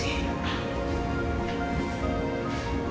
mau bahas apa lagi